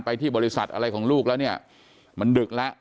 ที่บริษัทอะไรของลูกแล้วเนี่ยมันดึกแล้ว